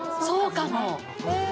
そうかもね。